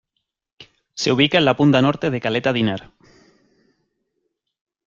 Se ubica en la punta norte de caleta Dinner.